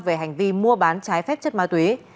về hành vi mua bán trái phép chất ma túy